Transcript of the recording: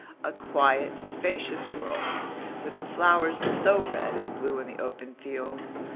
A quiet, spacious world, with the flowers so red and blue in the open fields.